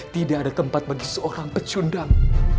tidak ada tempat bagi seorang pecundang